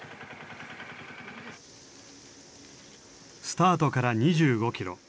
スタートから２５キロ。